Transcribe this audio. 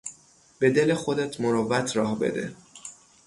به دل خودت مروت راه بده.